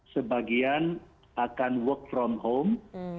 sebagian akan work from home